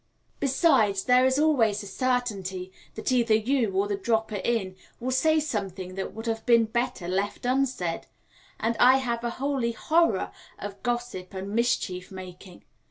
Besides, there is always the certainty that either you or the dropper in will say something that would have been better left unsaid, and I have a holy horror of gossip and mischief making.